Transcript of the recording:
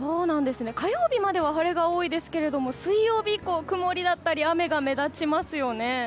火曜日までは晴れが多いですが水曜日以降、曇りだったり雨が目立ちますよね。